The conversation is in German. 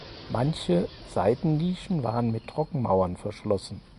Manche Seitennischen waren mit Trockenmauern verschlossen.